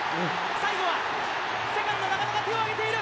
最後はセカンド、中野が手を挙げている。